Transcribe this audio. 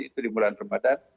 itu di bulan ramadan